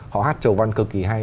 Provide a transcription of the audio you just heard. họ hát trầu văn cực kỳ hay